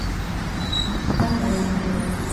حقیقت بیان کړئ.